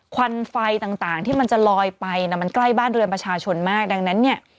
ควันไฟต่างที่มันจะลอยไปนะมันใกล้บ้านเรือนประชาชนมากดังนั้นเนี่ย